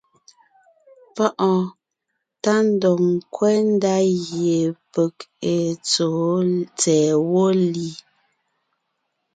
Páʼɔɔn tá ndɔg ńkwɛ́ ndá gie peg èe tsɛ̀ɛ wó li.